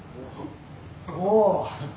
おお！